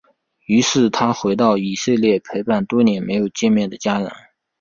于是他回到以色列陪伴多年没有见面的家人。